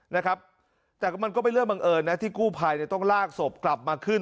แต่มันก็ไม่ใช่เรื่องบังเอิญนะที่กลู่พัยเนี้ยต้องลากสบกลับมาขึ้น